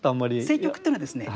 政局っていうのはですね